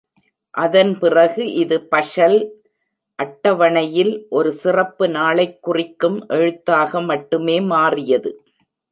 அதன்பிறகு இது பஷல் அட்டவணையில் ஒரு சிறப்பு நாளைக் குறிக்கும் எழுத்தாக மட்டுமே மாறியது.